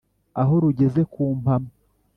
aho rugeze ku mpama